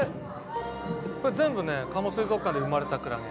これ全部ね加茂水族館で生まれたクラゲ。